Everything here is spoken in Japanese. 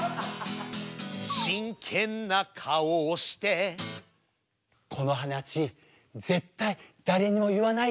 真剣な顔をしてこの話絶対誰にも言わないでね。